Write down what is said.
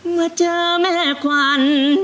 มาเจอแม่ขวัญ